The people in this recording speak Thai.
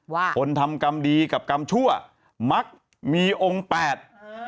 คนทำกรรมดีกับกรรมชั่วมักมีองค์แปด